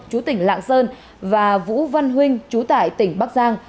chú tỉnh lạng sơn và vũ văn huynh chú tại tỉnh bắc giang